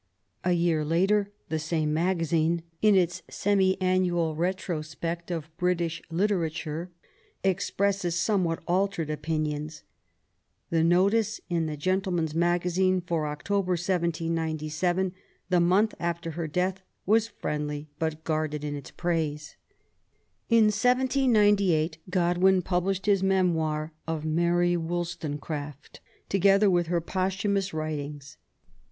A year later the same magazine, in its semi annual retrospect of British literature, expressed some what altered opinions. The notice in the Gentleman's Magazine for October, 1797, the month after her death, was friendly, but guarded in its praise. In 1798 Godwin published his Memoir of Mary WoUstonecraft, together with her posthumous writings.